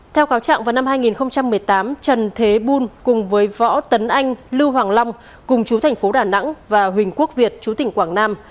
theo cáo trạng vào năm hai nghìn một mươi tám trần thế bun cùng với võ tấn anh lưu hoàng long cùng chú thành phố đà nẵng và huỳnh quốc việt chú tỉnh quảng nam